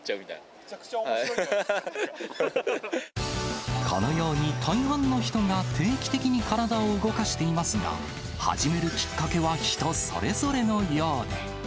めちゃくちゃおもしろいじゃこのように大半の人が定期的に体を動かしていますが、始めるきっかけは人それぞれのようで。